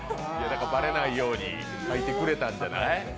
バレないように書いてくれたんじゃない。